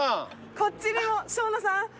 こっちにも生野さん